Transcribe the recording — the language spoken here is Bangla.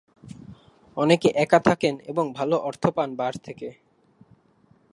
অনেকে একা থাকেন ও ভালো অর্থ পান বার থেকে।